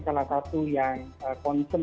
salah satu yang konsen